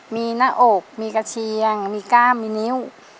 มีหน้าอกมีกระเทียงมีกล้ามมีนิ้ว